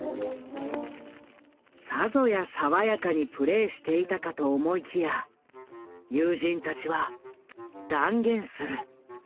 さぞや爽やかにプレーしていたかと思いきや友人たちは断言する。